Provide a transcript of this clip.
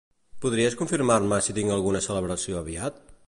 Podries confirmar-me si tinc alguna celebració aviat?